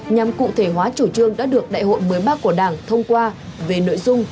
nhằm cụ thể hóa chủ trương đã được đại hội mới ba của đảng thông qua về nội dung